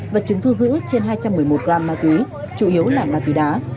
vật chứng thu giữ trên hai trăm một mươi một gram ma túy chủ yếu là ma túy đá